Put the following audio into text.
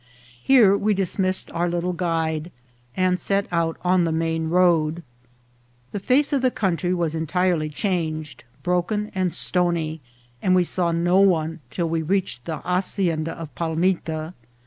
Here we dismissed our little guide, and set out on the main road. The face of the country was entirely changed, broken and stony, and we saw no one till we reached the ha cienda of Palmita.